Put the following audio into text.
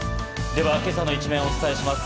では今朝の一面をお伝えします。